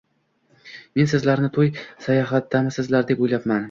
Men sizlarni to`y sayohatidamisizlar deb o`ylabman